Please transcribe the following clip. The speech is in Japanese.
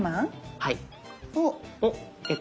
はい。